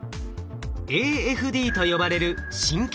「ＡＦＤ」と呼ばれる神経細胞です。